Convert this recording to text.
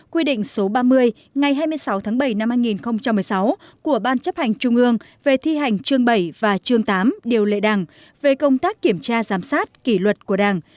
quy định số ba mươi ngày hai mươi sáu tháng bảy năm hai nghìn một mươi sáu của ban chấp hành trung ương về thi hành chương bảy và chương tám điều lệ đảng về công tác kiểm tra giám sát kỷ luật của đảng